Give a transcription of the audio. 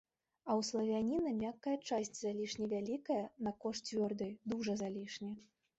А ў славяніна мяккая часць залішне вялікая на кошт цвёрдай, дужа залішне.